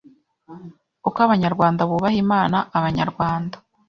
Uko Abanyarwanda bubaha Imana Abanyarwanda